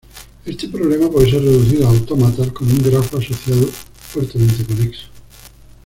Este problema puede ser reducido a autómatas con un grafo asociado fuertemente conexo.